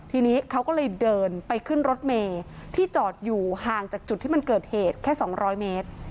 ทีนี้เขาก็เลยเดินไปขึ้นรถเมย์ที่จอดอยู่ห่างจากจุดที่มันเกิดเหตุแค่๒๐๐เมตร